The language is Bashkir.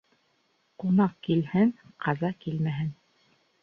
Ҡунаҡ килһен, ҡаза килмәһен.